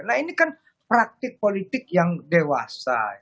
nah ini kan praktik politik yang dewasa